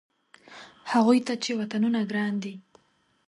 هغوی ته چې وطنونه ګران دي.